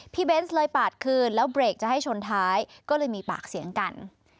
เบนส์เลยปาดคืนแล้วเบรกจะให้ชนท้ายก็เลยมีปากเสียงกัน